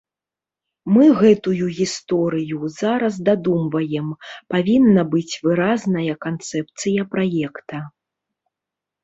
Мы гэтую гісторыю зараз дадумваем, павінна быць выразная канцэпцыя праекта.